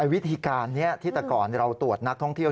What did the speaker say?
วิธีการนี้ที่แต่ก่อนเราตรวจนักท่องเที่ยว